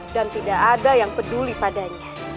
dan tidak ada yang peduli padanya